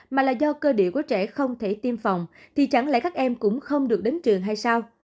mà là do cơ địa của trẻ không thể tiêm phòng thì chẳng lẽ các em cũng không được đến trường hay sao